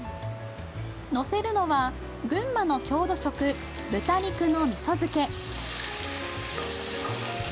のせるのは群馬の郷土食豚肉のみそ漬け。